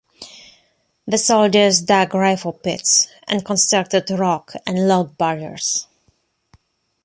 The soldiers dug rifle pits and constructed rock and log barriers.